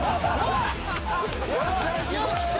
よっしゃ！